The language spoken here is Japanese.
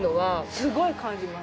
すごい感じます。